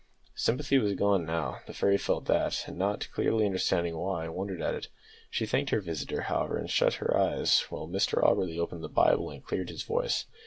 Sympathy was gone now; the fairy felt that, and, not clearly understanding why, wondered at it. She thanked her visitor, however, and shut her eyes, while Mr Auberly opened the Bible and cleared his voice.